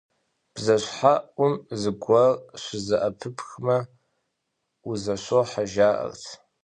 Бжэщхьэӏум зыгуэр щызэӏэпыпхмэ, узэщохьэ жаӏэрт.